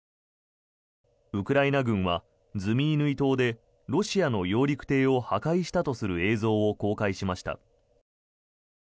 ウクライナ軍はズミイヌイ島でロシアの揚陸艇を破壊したとする映像を公開しました。